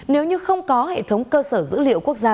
nếu như không có hệ thống cơ sở dữ liệu quốc gia